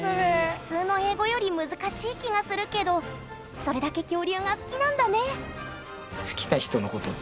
普通の英語より難しい気がするけどそれだけ恐竜が好きなんだね